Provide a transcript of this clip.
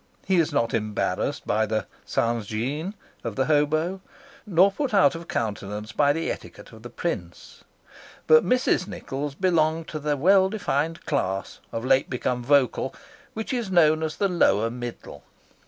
He is not embarrassed by the of the hobo, nor put out of countenance by the etiquette of the prince. But Mrs. Nichols belonged to the well defined class, of late become vocal, which is known as the lower middle.